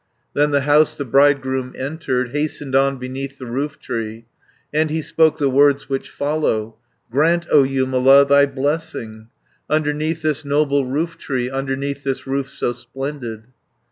Then the house the bridegroom entered, Hastened on beneath the roof tree, And he spoke the words which follow: "Grant, O Jumala, thy blessing Underneath this noble roof tree, Underneath this roof so splendid."